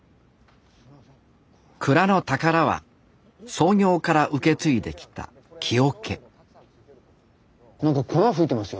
蔵の宝は創業から受け継いできた木桶何か粉ふいてますよ。